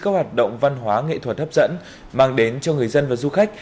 các hoạt động văn hóa nghệ thuật hấp dẫn mang đến cho người dân và du khách